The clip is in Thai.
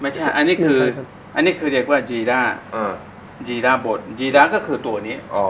ไม่ใช่อันนี้คือเรียกว่าจีราจีราบดจีราก็คือตัวนี้